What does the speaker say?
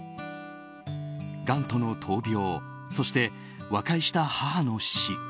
がんとの闘病そして和解した母の死。